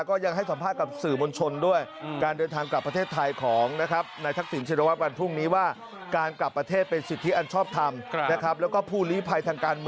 จะเลิกไปเรื่อยจนกว่าจะได้ผู้จำที่มีภาษา